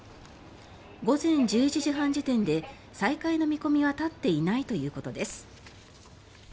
午前１１時半時点で再開の見込みは立っていないということです。